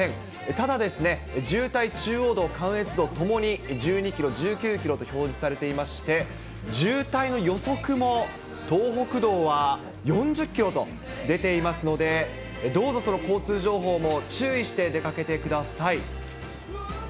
ただですね、渋滞、中央道、関越道ともに、１２キロ、１９キロと表示されていまして、渋滞の予測も東北道は４０キロと出ていますので、どうぞその交通情報も注意して出かけてください。